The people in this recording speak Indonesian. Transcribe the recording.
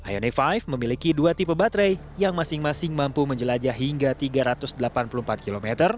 ioni lima memiliki dua tipe baterai yang masing masing mampu menjelajah hingga tiga ratus delapan puluh empat km